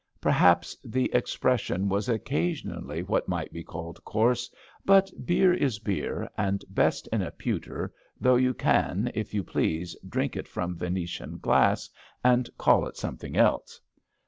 Perhaps the expression was occasion ally what might be called coarse, but beer is beer, and best in a pewter, though you can, if you please, drink it from Venetian glass and call it something else.